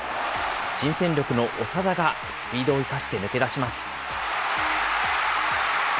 新戦力の長田がスピードを生かして抜け出します。